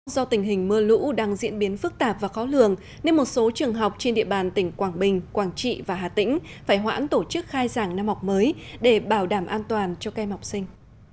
do tình hình mưa lũ đang diễn biến phức tạp và khó lường nên một số trường học trên địa bàn tỉnh quảng bình quảng trị và hà tĩnh phải hoãn tổ chức khai giảng năm học mới để bảo đảm an toàn cho các em học sinh